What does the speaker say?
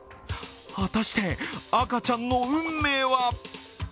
果たして赤ちゃんの運命は？